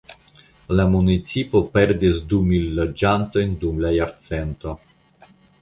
La municipo perdis du mil loĝantojn dum la jarcento.